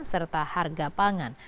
serta harga pangan